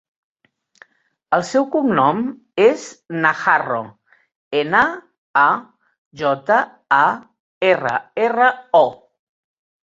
El seu cognom és Najarro: ena, a, jota, a, erra, erra, o.